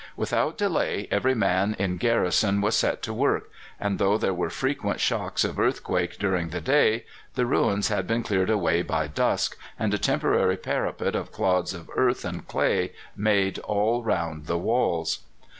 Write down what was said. Without delay every man in garrison was set to work, and though there were frequent shocks of earthquake during the day, the ruins had been cleared away by dusk, and a temporary parapet of clods of earth and clay made all round the walls.